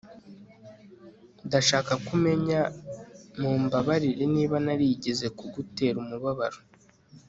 ndashaka ko umenya mumbabarire niba narigeze kugutera umubabaro